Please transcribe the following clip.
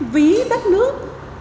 ví đất nước